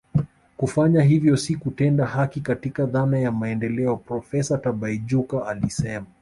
Kufanya hivyo si kutenda haki katika dhana ya maendeleo Profesa Tibaijuka alisema